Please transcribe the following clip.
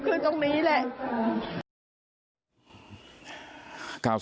คือตรงนี้แหละ